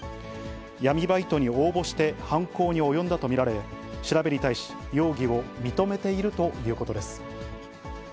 闇バイトに応募して犯行に及んだと見られ、調べに対し、容疑を認めているということです。